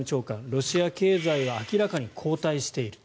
ロシア経済は明らかに後退している。